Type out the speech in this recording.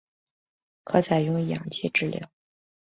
可采用氧气治疗。